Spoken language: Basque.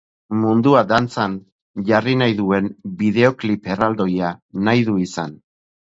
Mundua dantzan jarri nahi duen bideoklip erraldoia nahi du izan.